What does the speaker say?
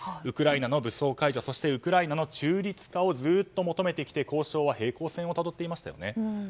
ウクライナの武装解除そしてウクライナの中立化をずっと求めてきて交渉は平行線をたどっていました。